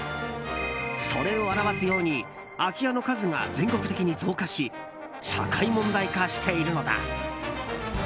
それを表すように空家の数が全国的に増加し社会問題化しているのだ。